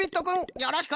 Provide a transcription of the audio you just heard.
よろしく。